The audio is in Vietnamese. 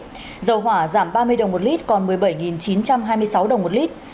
giá dầu hỏa giảm ba mươi đồng một lit còn một mươi bảy chín trăm hai mươi sáu đồng một lit